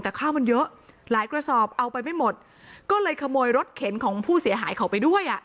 แต่ข้าวมันเยอะหลายกระสอบเอาไปไม่หมดก็เลยขโมยรถเข็นของผู้เสียหายเขาไปด้วยอ่ะ